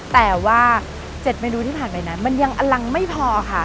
แต่ว่า๗เมนูที่ผ่านไปนั้นมันยังอลังไม่พอค่ะ